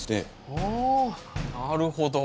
あなるほど。